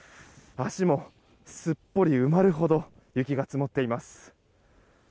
足もすっぽり埋まるほど雪が積もっています。